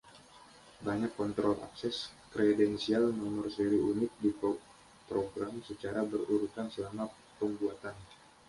Banyak kontrol akses kredensial nomor seri unik diprogram secara berurutan selama pembuatan.